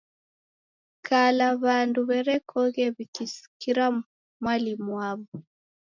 Kala, w'andu w'erekoghe w'ikisikira Mwalimu waw'o.